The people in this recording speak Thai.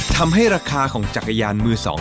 ทำให้ราคาของจักรยานมือสอง